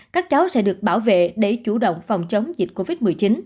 các cháu sẽ được bảo vệ để chủ động phòng chống dịch covid một mươi chín